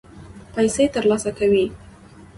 پیسې ترلاسه کوي.